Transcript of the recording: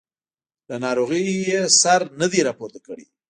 له ناروغۍ یې سر نه دی راپورته کړی.